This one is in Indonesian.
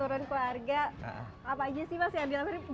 apa aja sih mas yang bilang